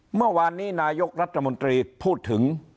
เมื่อวานนี้นายกรัฐมนตรีพูดถึง